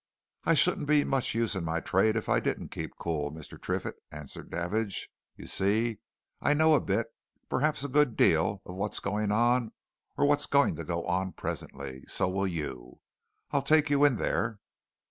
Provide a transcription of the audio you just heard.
"I shouldn't be much use in my trade if I didn't keep cool, Mr. Triffitt," answered Davidge. "You see, I know a bit perhaps a good deal of what's going on or what's going to go on, presently. So will you. I'll take you in there."